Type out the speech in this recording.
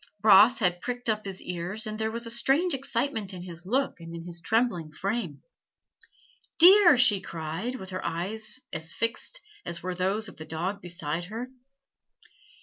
Bras had pricked up his ears, and there was a strange excitement in his look and in his trembling frame. "Deer!" she cried, with her eyes as fixed as were those of the dog beside her.